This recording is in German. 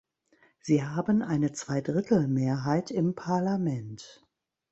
Sie haben eine Zweidrittelmehrheit im Parlament.